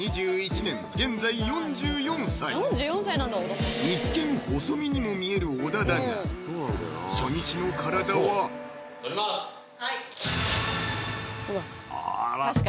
２１年現在４４歳一見細身にも見える小田だが初日の体は取ります